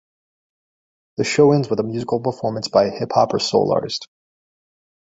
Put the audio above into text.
The show ends with a musical performance by a hip hop or soul artist.